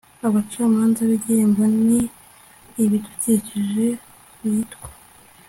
abacamanza b'igihembo ni ibidukikije witwa